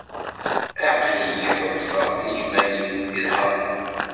Aql-iyi ḥulfaɣ i yiman-iw gedha.